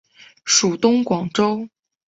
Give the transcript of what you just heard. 属东广州。